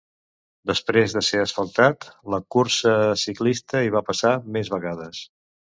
Després de ser asfaltat, la cursa ciclista hi ha passat més vegades.